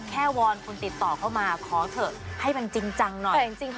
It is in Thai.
แค่วอนคุณติดต่อเข้ามาขอเธอให้เป็นจริงจังหน่อย